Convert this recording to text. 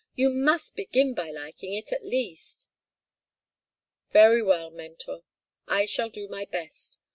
You must begin by liking it, at least." "Very well, mentor, I shall do my best.